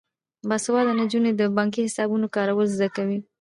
باسواده نجونې د بانکي حسابونو کارول زده کوي.